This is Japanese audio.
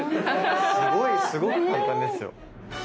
すごいすごく簡単ですよ。